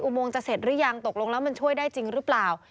โมงจะเสร็จหรือยังตกลงแล้วมันช่วยได้จริงหรือเปล่า